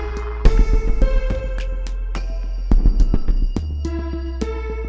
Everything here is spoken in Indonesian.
salah satu tahun